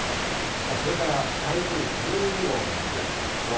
それから台風１２号も見ていきましょう。